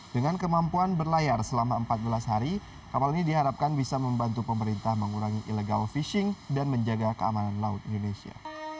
dengan kemampuan berlayar selama empat belas hari kapal ini diharapkan bisa membantu pemerintah mengurangi illegal fishing dan menjaga keamanan laut indonesia